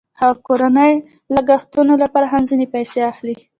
هغه د کورنۍ د لګښتونو لپاره هم ځینې پیسې اخلي